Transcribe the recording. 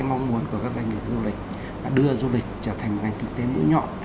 mong muốn của các doanh nghiệp du lịch là đưa du lịch trở thành ngành thực tế mũi nhọn